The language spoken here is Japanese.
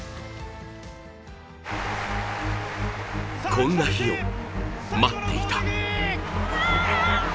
こんな日を待っていた。